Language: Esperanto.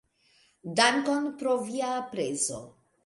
Dankon pro via aprezo.